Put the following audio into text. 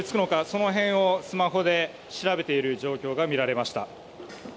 その辺をスマホで調べている状況が見られました。